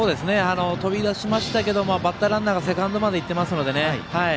飛び出しましたけれどもバッターランナーがセカンドまで行っていますのでね。